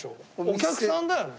お客さんだよね？